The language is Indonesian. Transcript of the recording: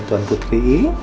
nah tuan putri